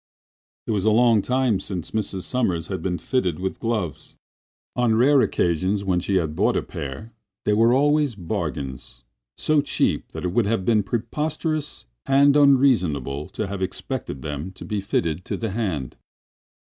It was a long time since Mrs. Sommers had been fitted with gloves. On rare occasions when she had bought a pair they were always "bargains," so cheap that it would have been preposterous and unreasonable to have expected them to be fitted to the hand.